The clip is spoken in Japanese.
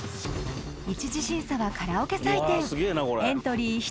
１次審査はカラオケ採点エントリー